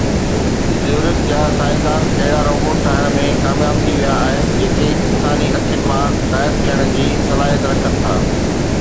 زيورخ جا سائنسدان اهڙا روبوٽ ٺاهڻ ۾ ڪامياب ٿي ويا آهن جيڪي انساني اکين مان غائب ٿيڻ جي صلاحيت رکن ٿا